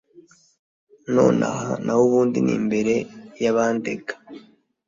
nonaha nahubundi nimbere yabandega